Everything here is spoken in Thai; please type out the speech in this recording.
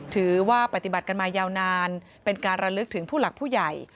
ถือว่าปฏิบัติกันมายาวนานเป็นการระลึกถึงผู้หลักผู้ใหญ่